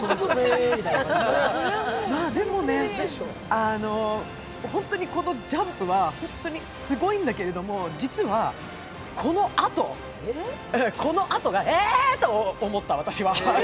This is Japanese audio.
でも、このジャンプはホントにすごいんだけれども、実はこのあとが、えーっ！と思った、私は。